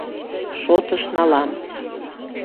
— Шотыш налам.